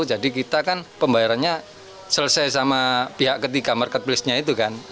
jadi kita kan pembayarannya selesai sama pihak ketiga marketplacenya itu kan